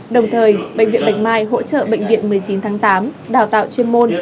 đồng thời bệnh viện bạch mai hỗ trợ bệnh viện một mươi chín tháng tám đào tạo chuyên môn